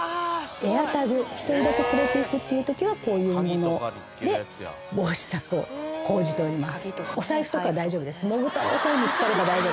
１人だけ連れていくっていう時はこういうもので防止策を講じております。